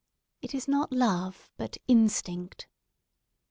It is not love but instinct.